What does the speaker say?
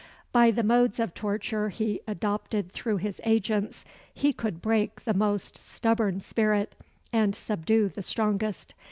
By the modes of torture he adopted through his agents, he could break the most stubborn spirit, and subdue the strongest.